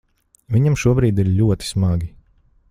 Viņam šobrīd ir ļoti smagi.